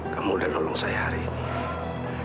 kamu udah nolong saya hari ini